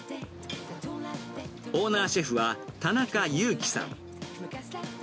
オーナーシェフは田中雄基さん。